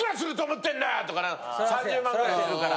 とか３０万ぐらいするから。